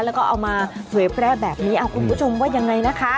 แล้วก็เอามาเผยแพร่แบบนี้คุณผู้ชมว่ายังไงนะคะ